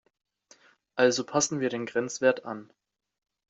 Also passen wir den Grenzwert an.